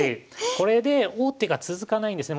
これで王手が続かないんですね。